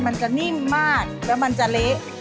มันจะนิ่มมากแล้วมันจะเละ